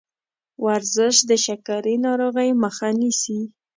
ورزش د شکرې ناروغۍ مخه نیسي.